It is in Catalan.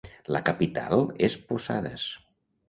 La capital és Posadas.